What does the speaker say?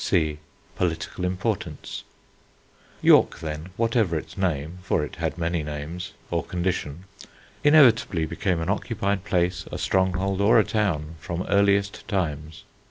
C. POLITICAL IMPORTANCE York, then, whatever its name (for it had many names) or condition, inevitably became an occupied place, a stronghold or a town from earliest times.